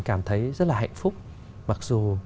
cảm thấy rất là hạnh phúc mặc dù